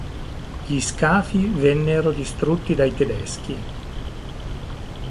Gli scafi vennero distrutti dai tedeschi.